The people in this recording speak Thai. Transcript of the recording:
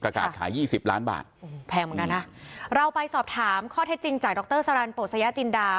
ขายยี่สิบล้านบาทแพงเหมือนกันนะเราไปสอบถามข้อเท็จจริงจากดรสรรโปสยาจินดา